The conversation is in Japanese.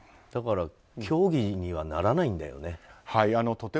だから協議にはならないんだよね。